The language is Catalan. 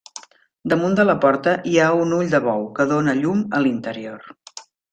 Damunt de la porta hi ha un ull de bou, que dóna llum a l'interior.